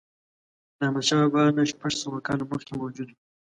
د احمدشاه بابا نه شپږ سوه کاله مخکې موجود و.